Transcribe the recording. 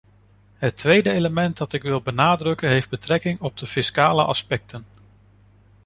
Het tweede element dat ik wil benadrukken heeft betrekking op de fiscale aspecten.